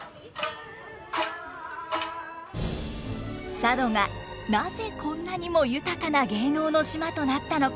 佐渡がなぜこんなにも豊かな芸能の島となったのか？